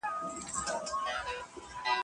تاسي ولي په داسي پېچلو خبرو کي ځان نه پوهوئ؟